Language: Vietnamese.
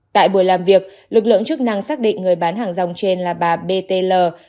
tại buổi làm việc lực lượng chức năng xác định người bán hàng rong trên là bà b t l